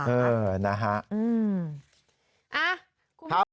เออนะฮะอืมอ้า